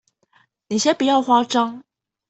你先不要慌張